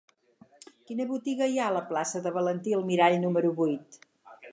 Quina botiga hi ha a la plaça de Valentí Almirall número vuit?